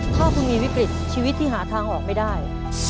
ถ้าคุณมีวิกฤตชีวิตที่หาทางออกไม่ได้